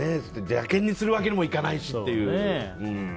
邪険にするわけにもいかないしっていうね。